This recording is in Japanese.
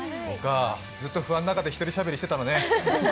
ずっと不安な中でひとりしゃべりしてたのね。